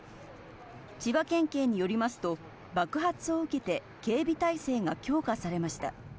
千葉県警によりますと、爆発を受けて警備態勢が強化されました。